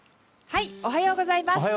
おはようございます。